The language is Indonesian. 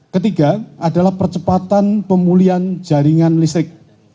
ketiga adalah percepatan pemulihan jaringan listrik